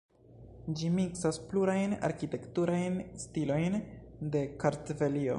Ĝi miksas plurajn arkitekturajn stilojn de Kartvelio.